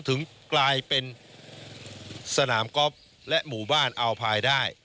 ถึงกลายเป็นสนามก๊อปและหมู่บ้านอาวไผล์